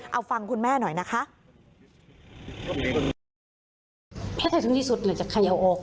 เอาฟังคุณแม่หน่อยนะคะ